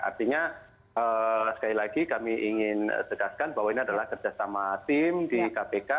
artinya sekali lagi kami ingin segaskan bahwa ini adalah kerja sama tim di kpk